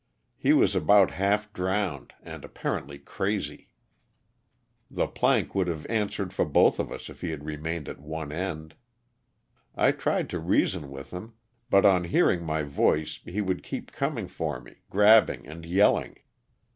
He was about half drowned and apparently crazy. The plank would have answered for us both if he had remained at one end. I tried to reason with him, but on hearing my voice he would keep coming for me, grabbing and yelling.